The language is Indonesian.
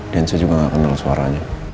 dan saya juga gak kenal suaranya